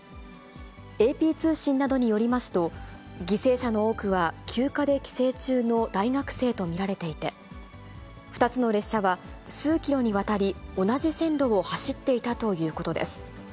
ＡＰ通信などによりますと、犠牲者の多くは休暇で帰省中の大学生と見られていて、２つの列車は数キロにわたり、同じ線路を走っていたということです。